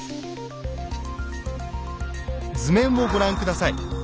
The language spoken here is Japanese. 図面をご覧下さい。